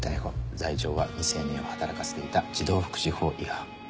罪状は未成年を働かせていた児童福祉法違反。